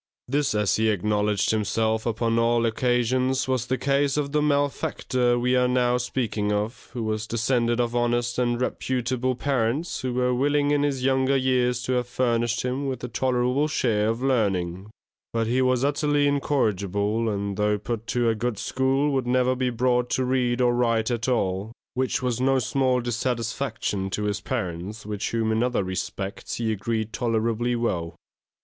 This, as he acknowledged himself upon all occasions, was the case of the malefactor we are now speaking of, who was descended of honest and reputable parents, who were willing in his younger years to have furnished him with a tolerable share of learning; but he was utterly incorrigible, and though put to a good school, would never be brought to read or write at all, which was no small dissatisfaction to his parents, with whom in other respects he agreed tolerably well.